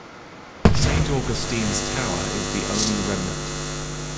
Saint Augustine's Tower is the only remnant.